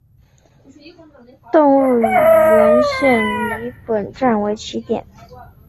动物园线以本站为起点。